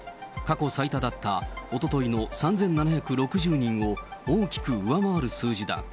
過去最多だったおとといの３７６０人を、大きく上回る数字だ。